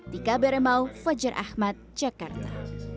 dika beremao fajar ahmad jakarta